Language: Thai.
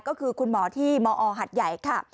ก็คือคุณหมอที่มอหัดใหญ่ค่ะ